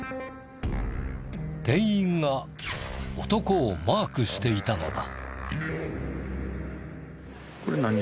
店員が男をマークしていたのだ。